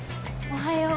おはよう。